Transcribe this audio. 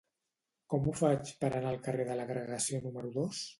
Com ho faig per anar al carrer de l'Agregació número dos?